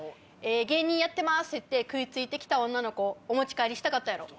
芸人やってますって言って食い付いて来た女の子お持ち帰りしたかったんやろ？